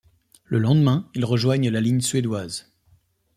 Le lendemain, ils rejoignent la ligne suédoise.